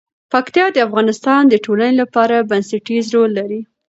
پکتیا د افغانستان د ټولنې لپاره بنسټيز رول لري.